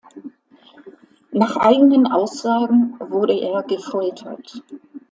Nach eigenen Aussagen wurde er gefoltert.